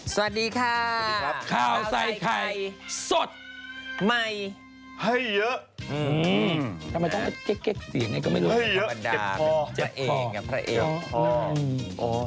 สวัสดีค่ะข้าวใส่ไข่สดใหม่ให้เยอะ